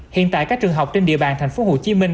hiện tại các trường học trên địa bàn thành phố hồ chí minh